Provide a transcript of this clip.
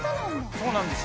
そうなんです。